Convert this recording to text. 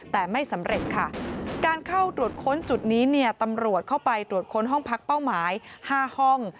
ตรวจค้นจุดนี้ตำรวจเข้าไปตรวจค้นห้องพักเป้าหมาย๕ห้อง